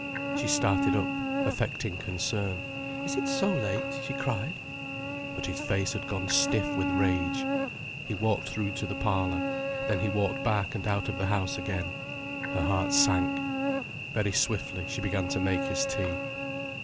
She started up, affecting concern. "Is it so late?" she cried. But his face had gone stiff with rage. He walked through to the parlour, then he walked back and out of the house again. Her heart sank. Very swiftly she began to make his tea.